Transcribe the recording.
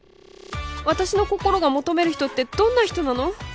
私の心が求める人ってどんな人なの？